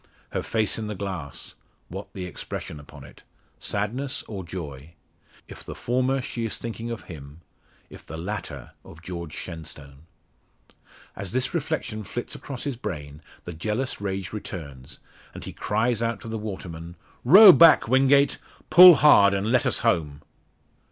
Her face in the glass what the expression upon it? Sadness, or joy? If the former, she is thinking of him; if the latter of George Shenstone. As this reflection flits across his brain, the jealous rage returns, and he cries out to the waterman "Row back, Wingate! Pull hard, and let us home!"